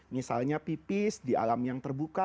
misalnya pipis di alam yang terbuka